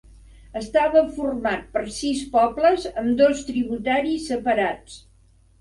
Estava format per sis pobles amb dos tributaris separats.